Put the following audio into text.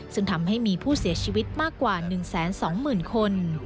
ซึ่งทำให้มีผู้เสียชีวิตมากกว่า๑๒๐๐๐คน